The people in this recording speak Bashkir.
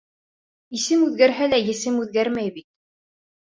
Исем үҙгәрһә лә, есем үҙгәрмәй бит.